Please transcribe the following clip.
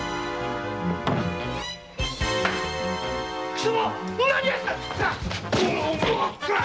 貴様！